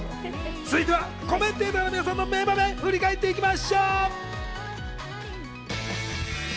続いてはコメンテーターの皆さんの名場面を振り返っていきましょう。